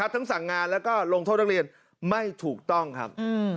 สั่งงานแล้วก็ลงโทษนักเรียนไม่ถูกต้องครับ